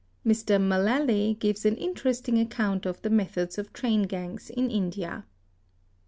| Mr. Mullaly™® gives an interesting account of the methods of train gangs in India.